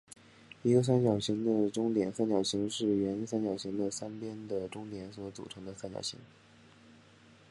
一个三角形的中点三角形是原三角形的三边的中点所组成的三角形。